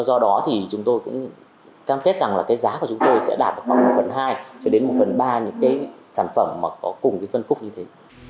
do đó thì chúng tôi cũng cam kết rằng là cái giá của chúng tôi sẽ đạt được khoảng một phần hai cho đến một phần ba những cái sản phẩm mà có cùng cái phân khúc như thế